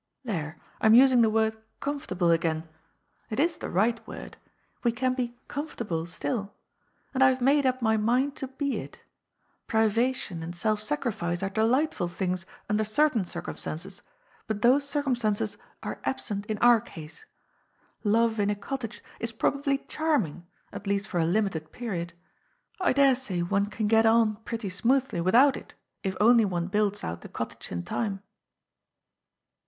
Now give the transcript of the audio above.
There, I am using the word * comfortable' again. It is the right word. We can be * comfortable ' still. And I have made up my mind to be it. Privation and self sacrifice are delightful things under certain cir cumstances, but those circumstances are absent in our case. Love in a cottage is probably charming — at least for a limited period. I dare say one can get on pretty smoothly without it, if only one builds out the cottage in time."